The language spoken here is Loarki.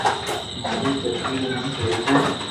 ماري پتني روو نوم سويتا ھي